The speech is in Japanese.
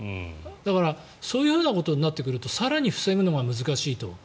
だからそういうことになってくると更に防ぐのが難しいと。